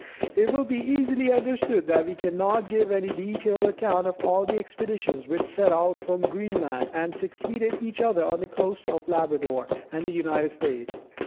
It will be easily understood that we cannot give any detailed account of all the expeditions, which set out from Greenland, and succeeded each other on the coasts of Labrador and the United States.